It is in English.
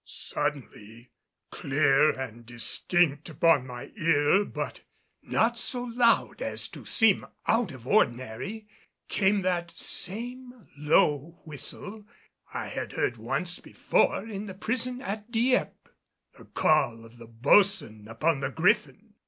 Suddenly, clear and distinct upon my ear, but not so loud as to seem out of ordinary, came that same low whistle I had heard once before in the prison at Dieppe the call of the boatswain upon the Griffin!